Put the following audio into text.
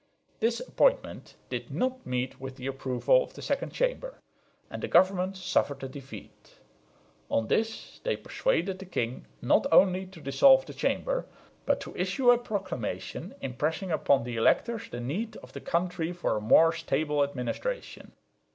This appointment did not meet with the approval of the Second Chamber; and the government suffered a defeat. On this they persuaded the king not only to dissolve the Chamber, but to issue a proclamation impressing upon the electors the need of the country for a more stable administration.